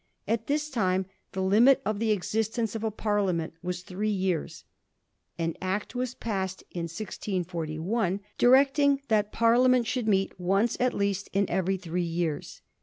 At this time the limit of the existence of a parliament was three years. An Act was passed in 1641 directing that Parliament should meet once at least in every three years.